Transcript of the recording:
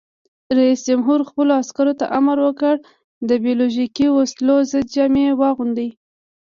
رئیس جمهور خپلو عسکرو ته امر وکړ؛ د بیولوژیکي وسلو ضد جامې واغوندئ!